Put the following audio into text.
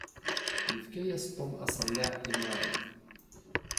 Yefka-yas Tom aṣelliɛ i Mary.